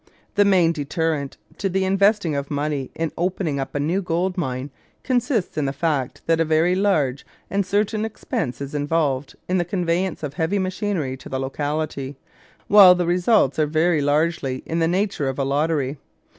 The main deterrent to the investing of money in opening up a new gold mine consists in the fact that a very large and certain expense is involved in the conveyance of heavy machinery to the locality, while the results are very largely in the nature of a lottery.